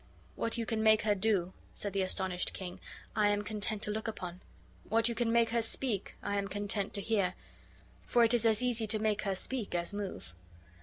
"What you can make her do," said the astonished king, "I am content to look upon. What you can make her speak I am content to hear; for it is as easy to make her speak as move."